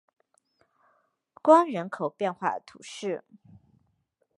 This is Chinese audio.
关人口变化图示